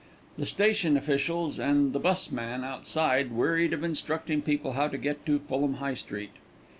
The station officials and the bus men outside wearied of instructing people how to get to Fulham High Street.